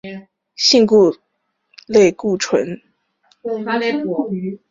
性类固醇是指一类与脊椎动物雄激素或雌激素受体相互作用的类固醇激素。